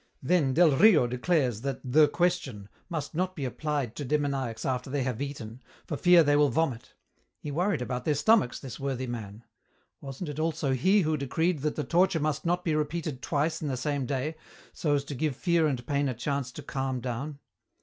Then Del Rio declares that 'the question' must not be applied to demoniacs after they have eaten, for fear they will vomit. He worried about their stomachs, this worthy man. Wasn't it also he who decreed that the torture must not be repeated twice in the same day, so as to give fear and pain a chance to calm down?